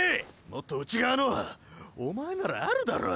もっと内側のおまえならあるだろ！